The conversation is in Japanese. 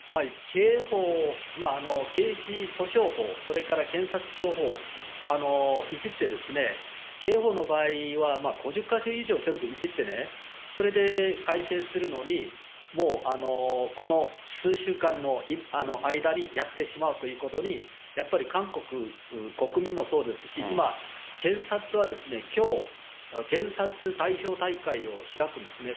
刑法、刑事訴訟法、それから検察庁法、いじって、刑法の場合は５０か所以上ちゃんといじってね、それで改正するのに、もうこの数週間の間にやってしまうということに、やっぱり韓国国民もそうですし、今検察はきょう、検察代表大会を開くんですね。